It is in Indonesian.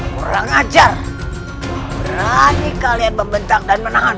kurang ajar berani kalian membentang dan menahan